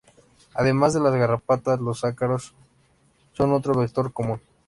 Además de las garrapatas, los ácaros son otro vector común.